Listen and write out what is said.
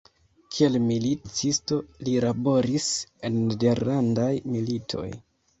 Kiel milita kuracisto li laboris en nederlandaj militoj.